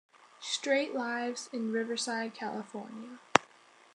Straight lives in Riverside, California.